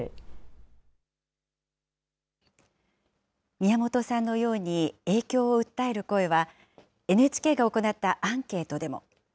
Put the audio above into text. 宮本さんのように影響を訴える声は、ＮＨＫが行ったアンケートでも。